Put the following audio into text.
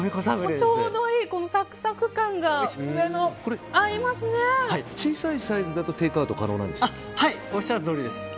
ちょうどいいサクサク感が小さいサイズだとテイクアウト可能なんでしたっけ？